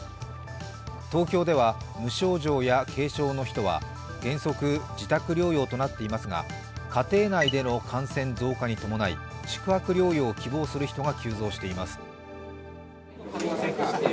東京では無症状や軽症の人は原則自宅療養となっていますが家庭内での感染増加に伴い宿泊療養を希望する人が急増しています。